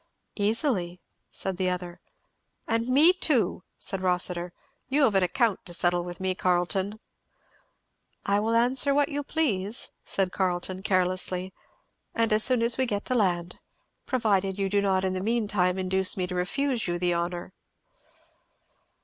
"Easily," said the other. "And me too," said Rossitur. "You have an account to settle with me, Carleton." "I will answer what you please," said Carleton carelessly, "and as soon as we get to land provided you do not in the mean time induce me to refuse you the honour."